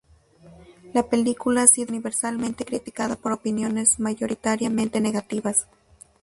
La película ha sido casi universalmente criticada por opiniones mayoritariamente negativas.